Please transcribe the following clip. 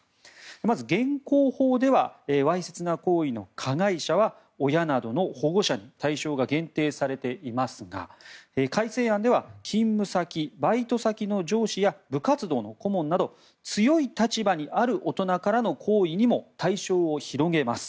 まず現行法ではわいせつな行為の加害者は親などの保護者に対象が限定されていますが改正案では勤務先、バイト先の上司や部活動の顧問など強い立場にある大人からの行為にも対象を広げます。